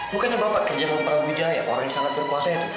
bukannya bapak kerja dalam perawidaya orang yang sangat berkuasa ya